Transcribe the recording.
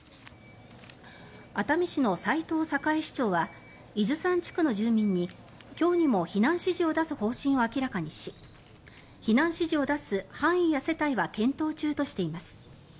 熱海市の齊藤栄市長は伊豆山地区の住民に今日にも避難指示を出す方針を明らかにし避難指示を出す範囲や世帯は検討中としています。